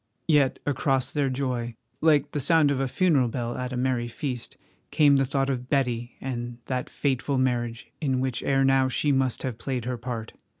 Yet across their joy, like the sound of a funeral bell at a merry feast, came the thought of Betty and that fateful marriage in which ere now she must have played her part.